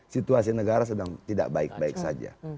situasi negara sedang tidak baik baik saja